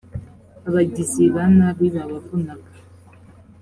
abagizi ba nabi babavunaga